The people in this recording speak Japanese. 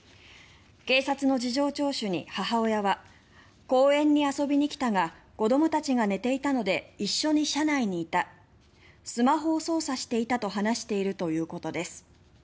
警察の事情聴取に母親は公園に遊びに来たが子どもたちが寝ていたので一緒に車内にいたスマホを操作していたと話しているということです。